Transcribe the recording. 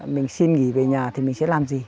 mình xin nghỉ về nhà thì mình sẽ làm gì